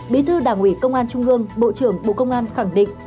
bí thư đảng ủy công an trung ương bộ trưởng bộ công an khẳng định